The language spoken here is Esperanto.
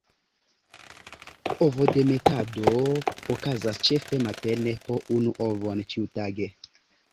Ovodemetado okazas ĉefe matene, po unu ovon ĉiutage.